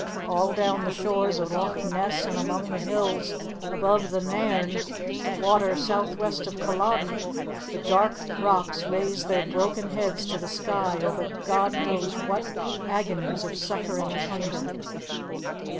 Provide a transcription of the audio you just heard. All down the shores of Loch Ness and among the hills above the Nairn water south west of Culloden, the dark rocks raised their broken heads to the sky over God knows what agonies of suffering and hunger.